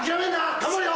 頑張れよ。